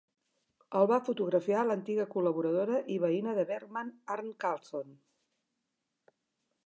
El va fotografiar l'antiga col·laboradora i veïna de Bergman, Arne Carlsson.